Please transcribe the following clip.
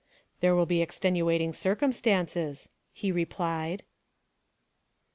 "There will be extenuating circumstances," he replied.